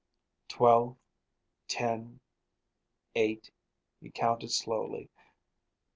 "Twelve, ten, eight," he counted slowly.